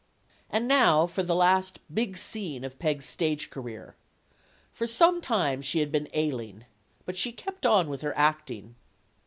And now for the last "big scene of Peg's stage career: For some time she had been ailing. But she kept on with her acting.